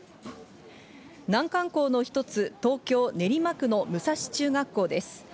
難関校の一つ、東京・練馬区の武蔵中学校です。